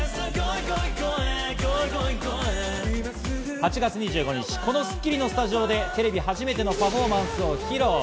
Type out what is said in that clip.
８月２５日、この『スッキリ』のスタジオでテレビ初めてのパフォーマンスを披露。